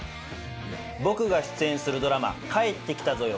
僕が出演するドラマ『帰ってきたぞよ！